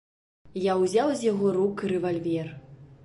Я ўзяў з яго рук рэвальвер.